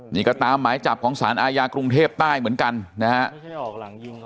นี่ก็ตามหมายจับของสารอาญากรุงเทพใต้เหมือนกันนะฮะ